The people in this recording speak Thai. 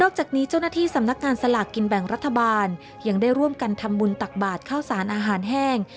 การแบ่งรัฐบาลยังได้ร่วมกันทำบุญตักบาทข้าวสารอาหารแห้ง